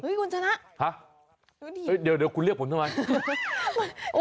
คุณชนะเดี๋ยวคุณเรียกผมทำไม